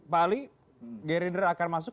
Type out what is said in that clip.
pak ali gerindra akan masuk